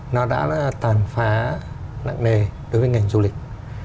nó đã tàn phá nặng nề đối với ngành du lịch